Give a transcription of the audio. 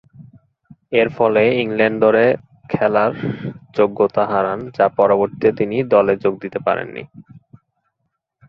এরফলে ইংল্যান্ড দলে খেলার যোগ্যতা হারান যা পরবর্তীতে তিনি দলে যোগ দিতে পারেননি।